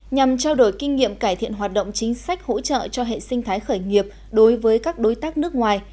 nhằm trao đổi kinh nghiệm cải thiện hoạt động chính sách hỗ trợ cho hệ sinh thái khởi nghiệp đối với các đối tác nước ngoài